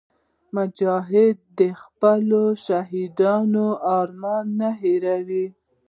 مجاهد د خپلو شهیدانو ارمان نه هېروي.